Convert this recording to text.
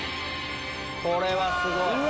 これはすごい！